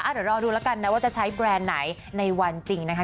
เดี๋ยวรอดูแล้วกันนะว่าจะใช้แบรนด์ไหนในวันจริงนะคะ